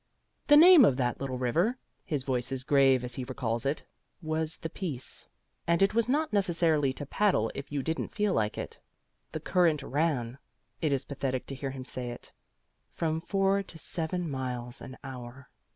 The name of that little river (his voice is grave as he recalls it), was the Peace; and it was not necessary to paddle if you didn't feel like it. "The current ran" (it is pathetic to hear him say it) "from four to seven miles an hour."